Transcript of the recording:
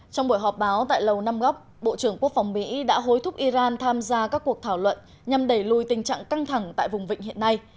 trong buổi họp báo tại lầu năm góc bộ trưởng quốc phòng mỹ đã hối thúc iran tham gia các cuộc thảo luận nhằm đẩy lùi tình trạng căng thẳng tại vùng vịnh hiện nay